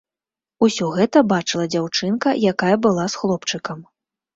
Усё гэта бачыла дзяўчынка, якая была з хлопчыкам.